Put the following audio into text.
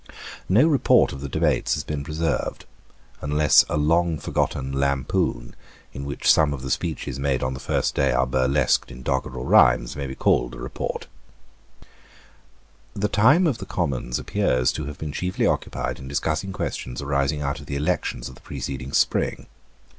No report of the debates has been preserved, unless a long forgotten lampoon, in which some of the speeches made on the first day are burlesqued in doggrel rhymes, may be called a report, The time of the Commons appears to have been chiefly occupied in discussing questions arising out of the elections of the preceding spring.